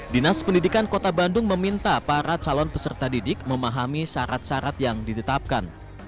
dinas pendidikan kota bandung meminta para calon peserta didik memahami syarat syarat yang ditetapkan